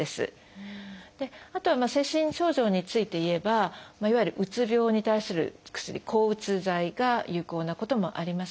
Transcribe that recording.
あとは精神症状について言えばいわゆるうつ病に対する薬抗うつ剤が有効なこともあります